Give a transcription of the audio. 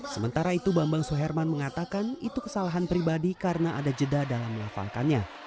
sementara itu bambang suherman mengatakan itu kesalahan pribadi karena ada jeda dalam melafalkannya